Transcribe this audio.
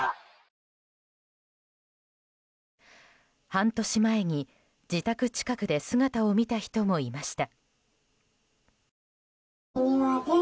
半年前に自宅近くで姿を見た人もいました。